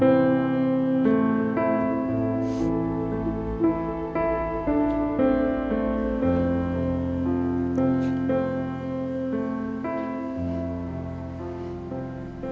หัวงาน